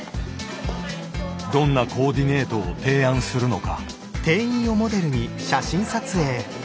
どんなコーディネートを提案するのか。